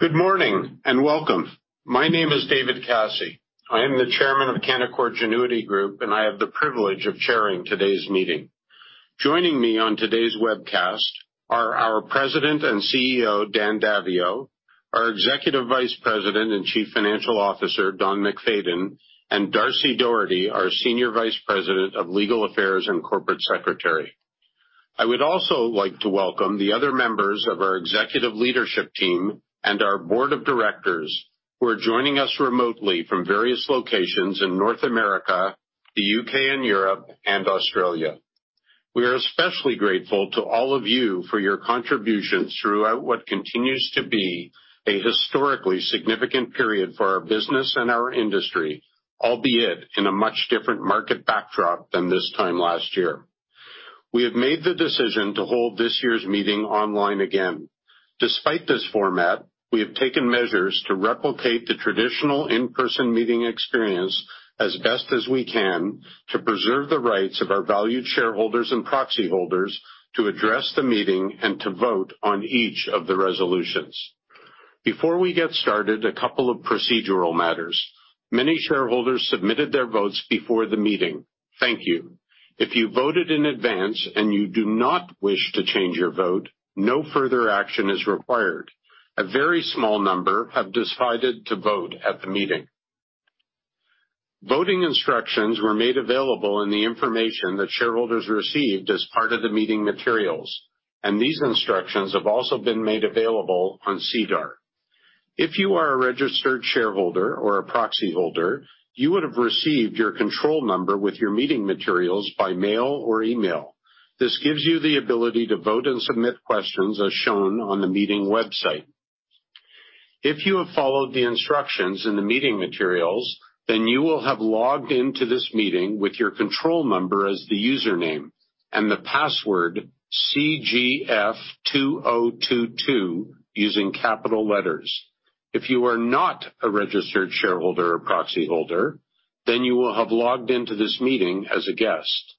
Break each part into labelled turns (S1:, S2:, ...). S1: Good morning and welcome. My name is David Kassie. I am the Chairman of Canaccord Genuity Group, and I have the privilege of chairing today's meeting. Joining me on today's webcast are our President and Chief Executive Officer, Dan Daviau, our Executive Vice President and Chief Financial Officer, Don MacFayden, and D'Arcy Doherty, our Senior Vice President of Legal Affairs and Corporate Secretary. I would also like to welcome the other members of our executive leadership team and our Board of Directors who are joining us remotely from various locations in North America, the U.K. and Europe, and Australia. We are especially grateful to all of you for your contributions throughout what continues to be a historically significant period for our business and our industry, albeit in a much different market backdrop than this time last year. We have made the decision to hold this year's meeting online again. Despite this format, we have taken measures to replicate the traditional in-person meeting experience as best as we can to preserve the rights of our valued shareholders and proxy holders to address the meeting and to vote on each of the resolutions. Before we get started, a couple of procedural matters. Many shareholders submitted their votes before the meeting. Thank you. If you voted in advance and you do not wish to change your vote, no further action is required. A very small number have decided to vote at the meeting. Voting instructions were made available in the information that shareholders received as part of the meeting materials. These instructions have also been made available on SEDAR. If you are a registered shareholder or a proxy holder, you would have received your control number with your meeting materials by mail or email. This gives you the ability to vote and submit questions as shown on the meeting website. If you have followed the instructions in the meeting materials, then you will have logged into this meeting with your control number as the username and the password CGF 2022 using capital letters. If you are not a registered shareholder or proxy holder, then you will have logged into this meeting as a guest.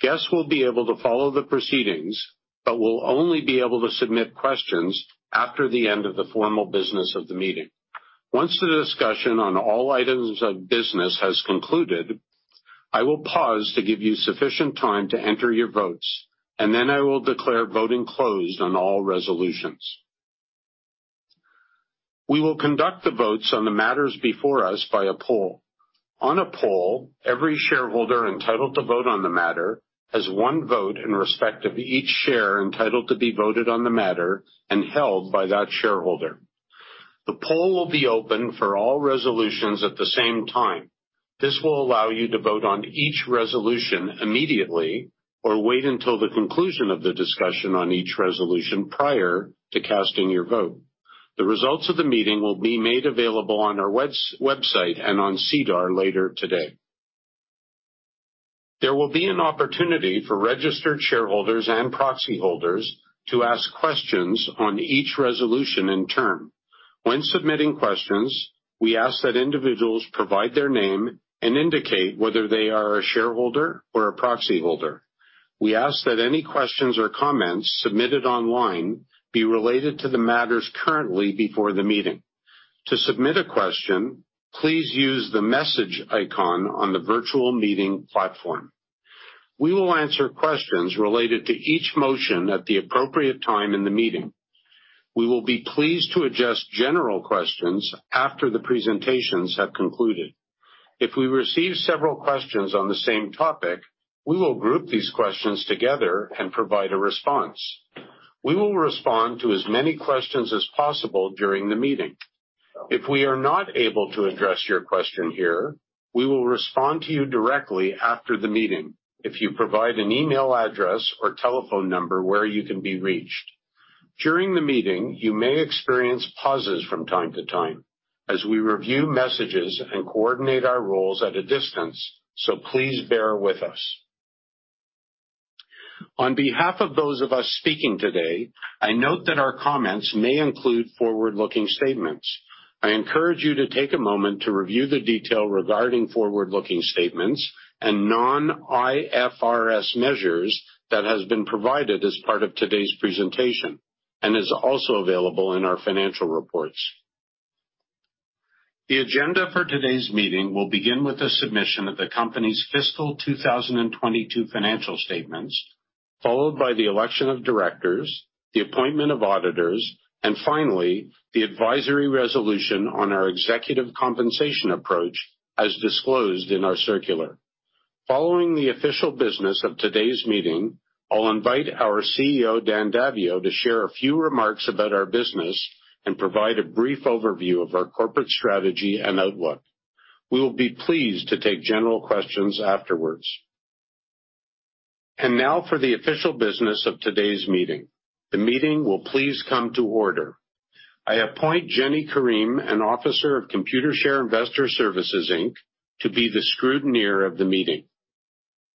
S1: Guests will be able to follow the proceedings but will only be able to submit questions after the end of the formal business of the meeting. Once the discussion on all items of business has concluded, I will pause to give you sufficient time to enter your votes, and then I will declare voting closed on all resolutions. We will conduct the votes on the matters before us by a poll. On a poll, every shareholder entitled to vote on the matter has one vote in respect of each share entitled to be voted on the matter and held by that shareholder. The poll will be open for all resolutions at the same time. This will allow you to vote on each resolution immediately or wait until the conclusion of the discussion on each resolution prior to casting your vote. The results of the meeting will be made available on our website and on SEDAR later today. There will be an opportunity for registered shareholders and proxy holders to ask questions on each resolution in turn. When submitting questions, we ask that individuals provide their name and indicate whether they are a shareholder or a proxy holder. We ask that any questions or comments submitted online be related to the matters currently before the meeting. To submit a question, please use the message icon on the virtual meeting platform. We will answer questions related to each motion at the appropriate time in the meeting. We will be pleased to address general questions after the presentations have concluded. If we receive several questions on the same topic, we will group these questions together and provide a response. We will respond to as many questions as possible during the meeting. If we are not able to address your question here, we will respond to you directly after the meeting if you provide an email address or telephone number where you can be reached. During the meeting, you may experience pauses from time to time as we review messages and coordinate our roles at a distance, so please bear with us. On behalf of those of us speaking today, I note that our comments may include forward-looking statements. I encourage you to take a moment to review the detail regarding forward-looking statements and non-IFRS measures that has been provided as part of today's presentation and is also available in our financial reports. The agenda for today's meeting will begin with the submission of the company's fiscal 2022 financial statements, followed by the Election of Directors, the Appointment of Auditors, and finally, the advisory resolution on our executive compensation approach as disclosed in our circular. Following the official business of today's meeting, I'll invite our CEO, Dan Daviau, to share a few remarks about our business and provide a brief overview of our corporate strategy and outlook. We will be pleased to take general questions afterwards. Now for the official business of today's meeting. The meeting will please come to order. I appoint Jenny Karim, an Officer of Computershare Investor Services Inc., to be the scrutineer of the meeting.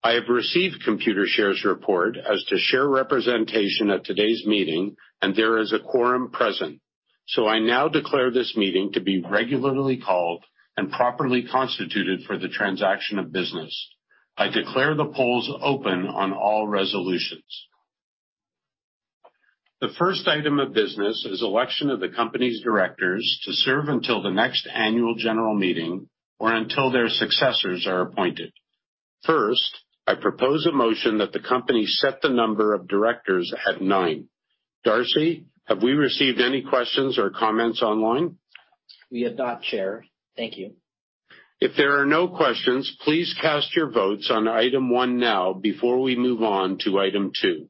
S1: I have received Computershare's report as to share representation at today's meeting, and there is a quorum present. I now declare this meeting to be regularly called and properly constituted for the transaction of business. I declare the polls open on all resolutions. The first item of business is election of the company's directors to serve until the next annual general meeting or until their successors are appointed. First, I propose a motion that the company set the number of directors at nine. D'Arcy, have we received any questions or comments online?
S2: We have not, Chair. Thank you.
S1: If there are no questions, please cast your votes on Item one now before we move on to Item two.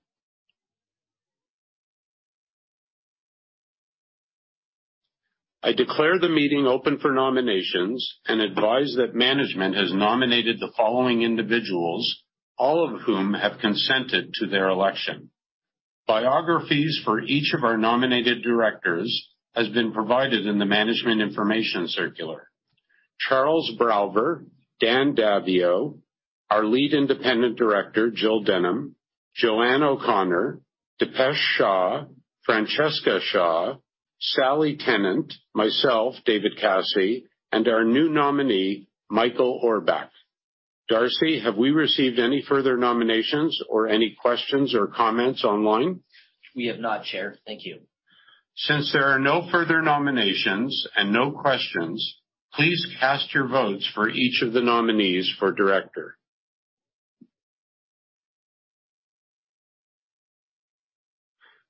S1: I declare the meeting open for nominations and advise that management has nominated the following individuals, all of whom have consented to their election. Biographies for each of our nominated directors has been provided in the management information circular. Charles Brindamour, Dan Daviau, our Lead Independent Director, Jill Denham, Jo-Anne O'Connor, Dipesh Shah, Francesca Shaw, Sally Tennant, myself, David Kassie, and our new nominee, Michael Auerbach. D'Arcy, have we received any further nominations or any questions or comments online?
S2: We have not, Chair. Thank you.
S1: Since there are no further nominations and no questions, please cast your votes for each of the nominees for director.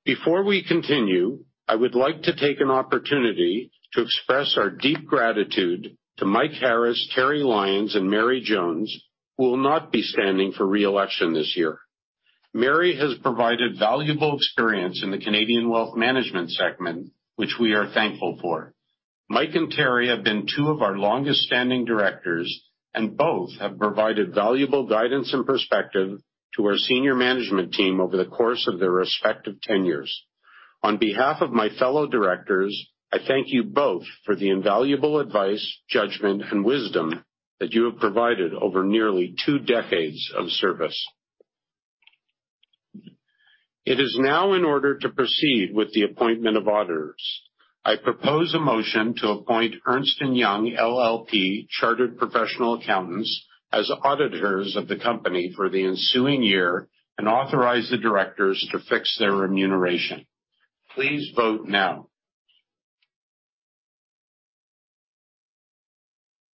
S1: Before we continue, I would like to take an opportunity to express our deep gratitude to Mike Harris, Terry Lyons, and Merri Jones, who will not be standing for re-election this year. Merri has provided valuable experience in the Canadian wealth management segment, which we are thankful for. Mike and Terry have been two of our longest-standing directors, and both have provided valuable guidance and perspective to our senior management team over the course of their respective tenures. On behalf of my fellow directors, I thank you both for the invaluable advice, judgment, and wisdom that you have provided over nearly two decades of service. It is now in order to proceed with the Appointment of Auditors. I propose a motion to appoint Ernst & Young LLP Chartered Professional Accountants as auditors of the company for the ensuing year and authorize the directors to fix their remuneration. Please vote now.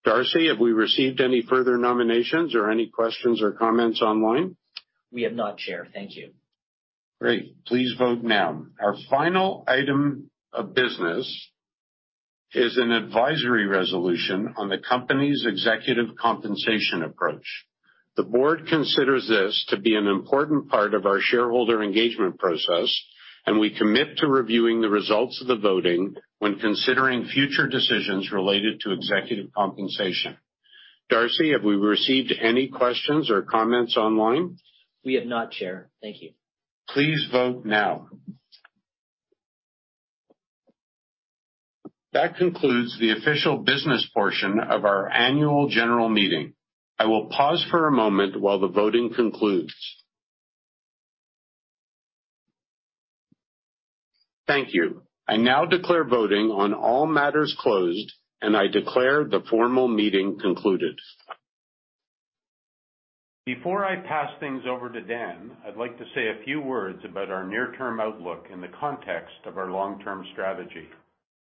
S1: D'Arcy, have we received any further nominations or any questions or comments online?
S2: We have not, Chair. Thank you.
S1: Great. Please vote now. Our final item of business is an advisory resolution on the company's executive compensation approach. The board considers this to be an important part of our shareholder engagement process, and we commit to reviewing the results of the voting when considering future decisions related to executive compensation. D'Arcy, have we received any questions or comments online?
S2: We have not, Chair. Thank you.
S1: Please vote now. That concludes the official business portion of our Annual General Meeting. I will pause for a moment while the voting concludes. Thank you. I now declare voting on all matters closed, and I declare the formal meeting concluded. Before I pass things over to Dan, I'd like to say a few words about our near-term outlook in the context of our long-term strategy.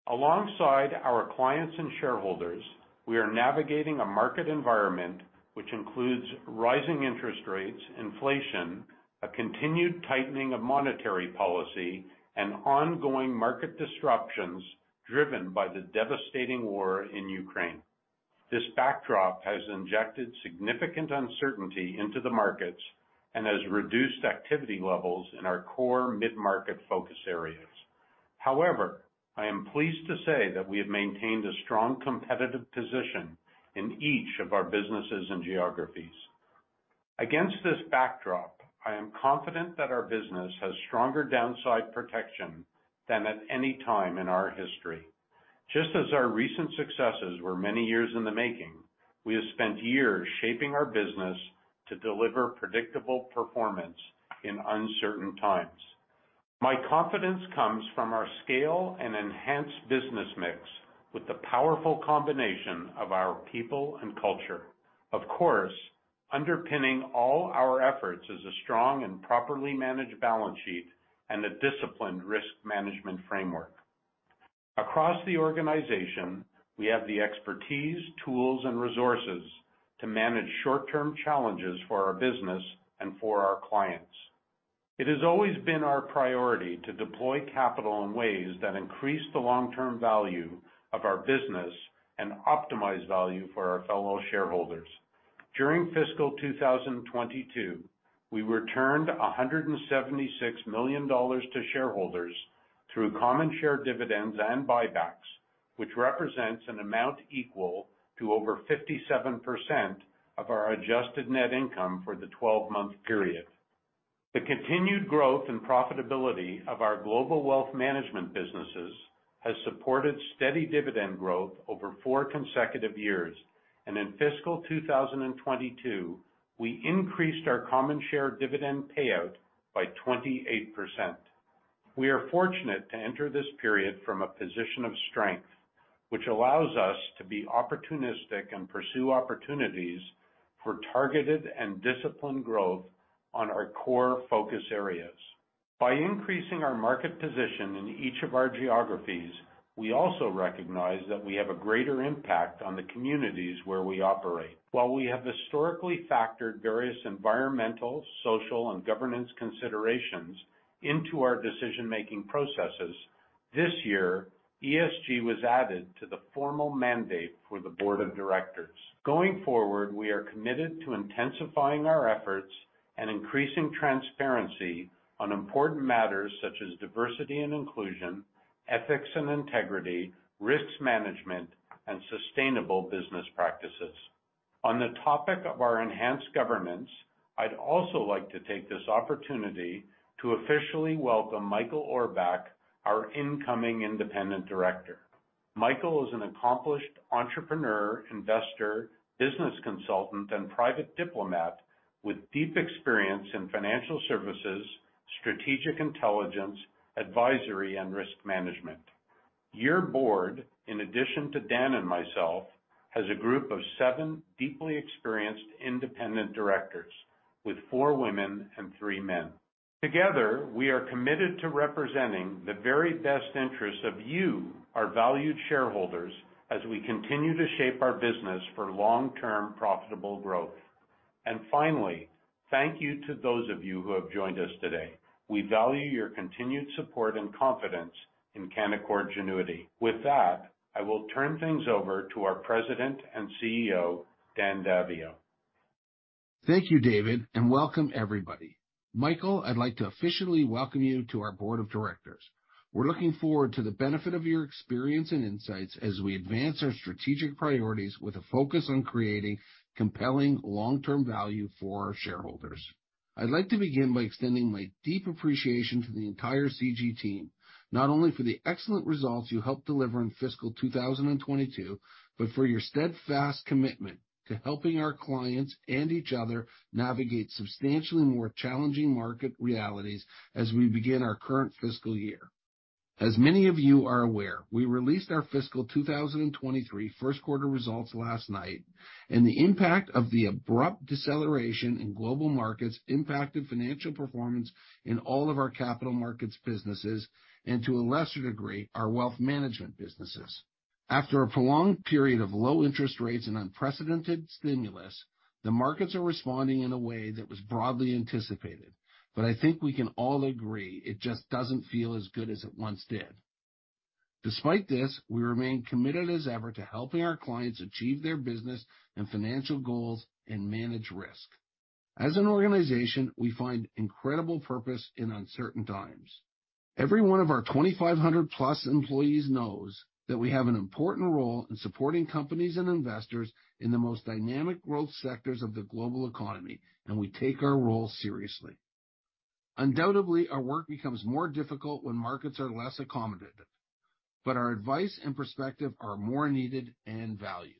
S1: Alongside our clients and shareholders, we are navigating a market environment which includes rising interest rates, inflation, a continued tightening of monetary policy, and ongoing market disruptions driven by the devastating war in Ukraine. This backdrop has injected significant uncertainty into the markets and has reduced activity levels in our core mid-market focus areas. However, I am pleased to say that we have maintained a strong competitive position in each of our businesses and geographies. Against this backdrop, I am confident that our business has stronger downside protection than at any time in our history. Just as our recent successes were many years in the making, we have spent years shaping our business to deliver predictable performance in uncertain times. My confidence comes from our scale and enhanced business mix with the powerful combination of our people and culture. Of course, underpinning all our efforts is a strong and properly managed balance sheet and a disciplined risk management framework. Across the organization, we have the expertise, tools, and resources to manage short-term challenges for our business and for our clients. It has always been our priority to deploy capital in ways that increase the long-term value of our business and optimize value for our fellow shareholders. During Fiscal 2022, we returned 176 million dollars to shareholders through common share dividends and buybacks, which represents an amount equal to over 57% of our adjusted net income for the 12-month period. The continued growth and profitability of our global wealth management businesses has supported steady dividend growth over four consecutive years. In fiscal 2022, we increased our common share dividend payout by 28%. We are fortunate to enter this period from a position of strength, which allows us to be opportunistic and pursue opportunities for targeted and disciplined growth on our core focus areas. By increasing our market position in each of our geographies, we also recognize that we have a greater impact on the communities where we operate. While we have historically factored various environmental, social, and governance considerations into our decision-making processes, this year, ESG was added to the formal mandate for the Board of Directors. Going forward, we are committed to intensifying our efforts and increasing transparency on important matters such as diversity and inclusion, ethics and integrity, risk management, and sustainable business practices. On the topic of our enhanced governance, I'd also like to take this opportunity to officially welcome Michael Auerbach, our Incoming Independent Director. Michael is an accomplished entrepreneur, investor, business consultant, and private diplomat with deep experience in financial services, strategic intelligence, advisory, and risk management. Your board, in addition to Dan and myself, has a group of seven deeply experienced Independent Directors with four women and three men. Together, we are committed to representing the very best interests of you, our valued shareholders, as we continue to shape our business for long-term profitable growth. Finally, thank you to those of you who have joined us today. We value your continued support and confidence in Canaccord Genuity. With that, I will turn things over to our President and CEO, Dan Daviau.
S3: Thank you, David, and welcome everybody. Michael, I'd like to officially welcome you to our Board of Directors. We're looking forward to the benefit of your experience and insights as we advance our strategic priorities with a focus on creating compelling long-term value for our shareholders. I'd like to begin by extending my deep appreciation to the entire CG team, not only for the excellent results you helped deliver in Fiscal 2022, but for your steadfast commitment to helping our clients and each other navigate substantially more challenging market realities as we begin our current fiscal year. As many of you are aware, we released our Fiscal 2023 first quarter results last night, and the impact of the abrupt deceleration in global markets impacted financial performance in all of our capital markets businesses and, to a lesser degree, our wealth management businesses. After a prolonged period of low interest rates and unprecedented stimulus, the markets are responding in a way that was broadly anticipated. I think we can all agree it just doesn't feel as good as it once did. Despite this, we remain committed as ever to helping our clients achieve their business and financial goals and manage risk. As an organization, we find incredible purpose in uncertain times. Every one of our 2,500 plus employees knows that we have an important role in supporting companies and investors in the most dynamic growth sectors of the global economy, and we take our role seriously. Undoubtedly, our work becomes more difficult when markets are less accommodative, but our advice and perspective are more needed and valued.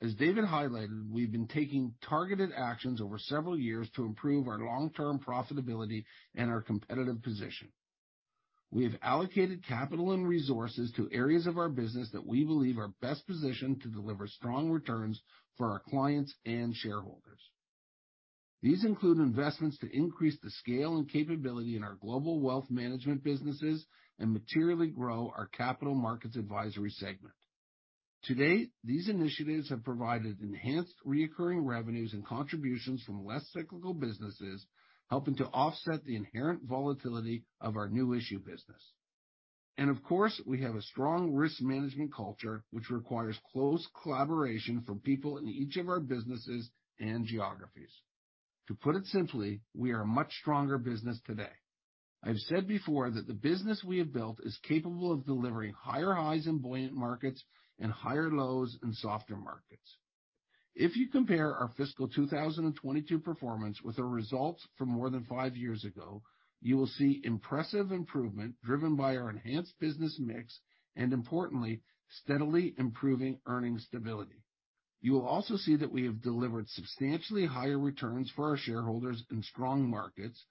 S3: As David highlighted, we've been taking targeted actions over several years to improve our long-term profitability and our competitive position. We have allocated capital and resources to areas of our business that we believe are best positioned to deliver strong returns for our clients and shareholders. These include investments to increase the scale and capability in our global wealth management businesses and materially grow our capital markets advisory segment. To date, these initiatives have provided enhanced recurring revenues and contributions from less cyclical businesses, helping to offset the inherent volatility of our new issue business. Of course, we have a strong risk management culture which requires close collaboration from people in each of our businesses and geographies. To put it simply, we are a much stronger business today. I've said before that the business we have built is capable of delivering higher highs in buoyant markets and higher lows in softer markets. If you compare our fiscal 2022 performance with our results from more than five years ago, you will see impressive improvement driven by our enhanced business mix and, importantly, steadily improving earnings stability. You will also see that we have delivered substantially higher returns for our shareholders in strong markets,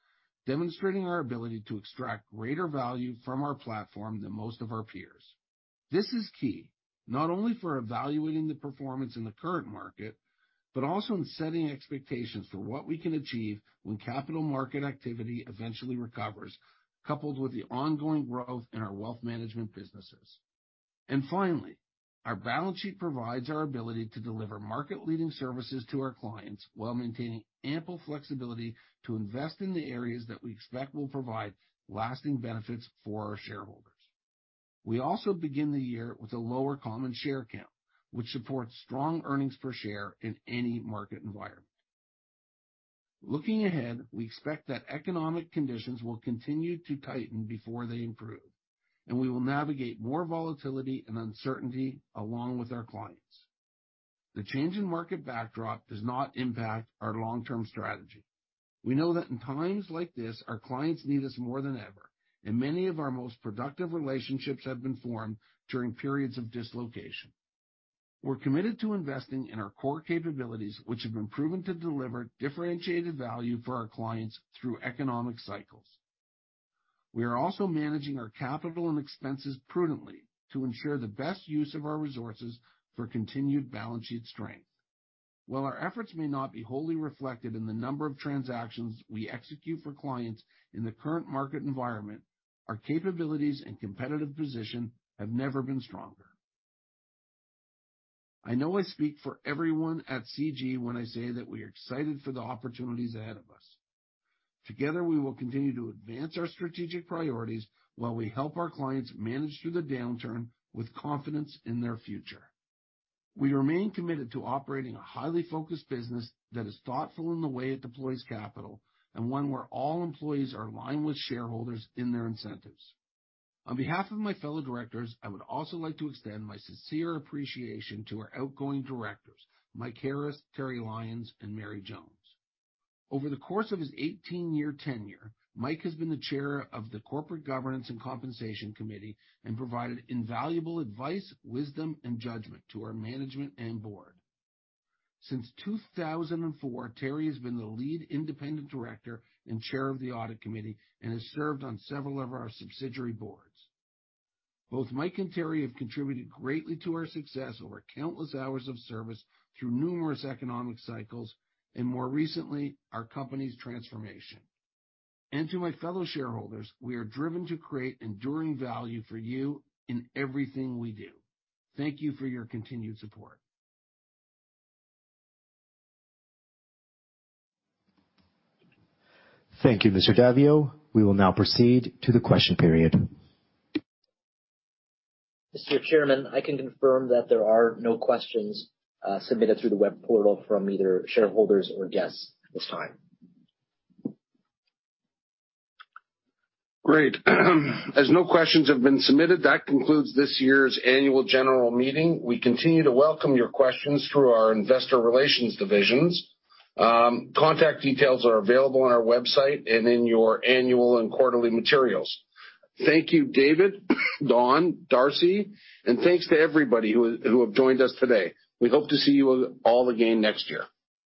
S3: demonstrating our ability to extract greater value from our platform than most of our peers. This is key, not only for evaluating the performance in the current market, but also in setting expectations for what we can achieve when capital market activity eventually recovers, coupled with the ongoing growth in our wealth management businesses. Finally, our balance sheet provides our ability to deliver market-leading services to our clients while maintaining ample flexibility to invest in the areas that we expect will provide lasting benefits for our shareholders. We also begin the year with a lower common share count, which supports strong earnings per share in any market environment. Looking ahead, we expect that economic conditions will continue to tighten before they improve, and we will navigate more volatility and uncertainty along with our clients. The change in market backdrop does not impact our long-term strategy. We know that in times like this, our clients need us more than ever, and many of our most productive relationships have been formed during periods of dislocation. We're committed to investing in our core capabilities, which have been proven to deliver differentiated value for our clients through economic cycles. We are also managing our capital and expenses prudently to ensure the best use of our resources for continued balance sheet strength. While our efforts may not be wholly reflected in the number of transactions we execute for clients in the current market environment, our capabilities and competitive position have never been stronger. I know I speak for everyone at CG when I say that we are excited for the opportunities ahead of us. Together, we will continue to advance our strategic priorities while we help our clients manage through the downturn with confidence in their future. We remain committed to operating a highly focused business that is thoughtful in the way it deploys capital and one where all employees are aligned with shareholders in their incentives. On behalf of my fellow directors, I would also like to extend my sincere appreciation to our outgoing directors, Mike Harris, Terry Lyons, and Merri Jones. Over the course of his 18-year tenure, Mike has been the chair of the Corporate Governance and Compensation Committee and provided invaluable advice, wisdom, and judgment to our management and board. Since 2004, Terry has been the lead independent director and chair of the Audit Committee and has served on several of our subsidiary boards. Both Mike and Terry have contributed greatly to our success over countless hours of service through numerous economic cycles and more recently, our company's transformation. To my fellow shareholders, we are driven to create enduring value for you in everything we do. Thank you for your continued support.
S1: Thank you, Mr. Daviau. We will now proceed to the question period.
S2: Mr. Chairman, I can confirm that there are no questions submitted through the web portal from either shareholders or guests this time.
S3: Great. As no questions have been submitted, that concludes this year's Annual General Meeting. We continue to welcome your questions through our investor relations divisions. Contact details are available on our website and in your annual and quarterly materials. Thank you, David Kassie, Don MacFayden, D'Arcy Doherty, and thanks to everybody who have joined us today. We hope to see you all again next year.